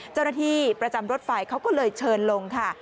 เจ้าหน้าที่ประจำรถไฟเขาก็เลยเชิญลงค่ะ